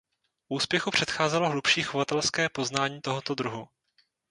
Úspěchu předcházelo hlubší chovatelské poznání tohoto druhu.